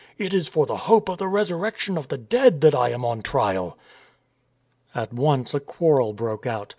It is for the hope of the resurrection of the dead that I am on trial !" At once a quarrel broke out.